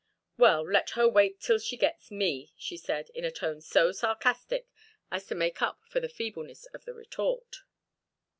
"Well, let her wait till she gets me," she said, in a tone so sarcastic as to make up for the feebleness of the retort.